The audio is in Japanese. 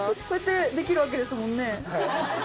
こうやってできるわけですもんね。